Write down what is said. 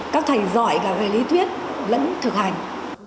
các thầy giỏi cả về lý thuyết lẫn thực hành